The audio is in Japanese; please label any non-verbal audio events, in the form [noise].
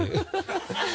ハハハ [laughs]